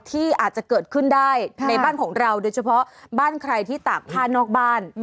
ที่อาจจะเกิดขึ้นได้ในบ้านของเราโดยเฉพาะบ้านใครที่ตากผ้านอกบ้าน